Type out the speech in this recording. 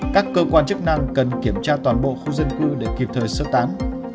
các cơ quan chức năng cần kiểm tra toàn bộ khu dân cư để kịp thời sơ tán